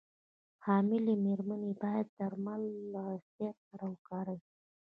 حاملې مېرمنې باید درمل له احتیاط سره وکاروي.